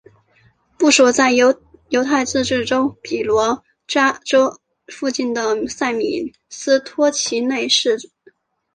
部署在犹太自治州比罗比詹附近的塞米斯托齐内伊市。